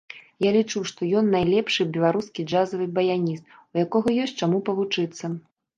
Я лічу, што ён найлепшы беларускі джазавы баяніст, у якога ёсць чаму павучыцца.